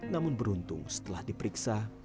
namun beruntung setelah diperiksa